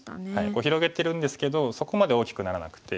広げてるんですけどそこまで大きくならなくて。